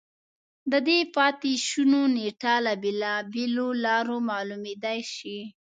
د دې پاتې شونو نېټه له بېلابېلو لارو معلومېدای شي